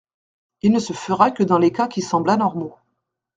Il ne se fera que dans les cas qui semblent anormaux.